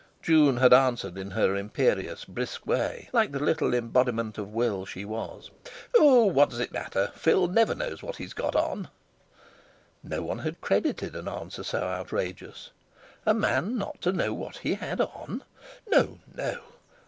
June had answered in her imperious brisk way, like the little embodiment of will she was: "Oh! what does it matter? Phil never knows what he's got on!" No one had credited an answer so outrageous. A man not to know what he had on? No, no!